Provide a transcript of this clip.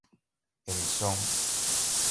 emissão